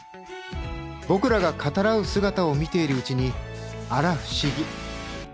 僕らが語らう姿を見ているうちにあら不思議。